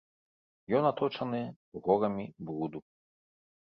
Ён аточаны горамі бруду.